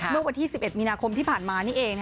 เมื่อวันที่๑๑มีนาคมที่ผ่านมานี่เอง